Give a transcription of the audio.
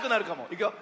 いくよ。